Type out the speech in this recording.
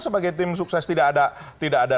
sebagai tim sukses tidak ada tidak ada